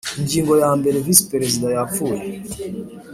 Ingingo yambere Visi Perezida yapfuye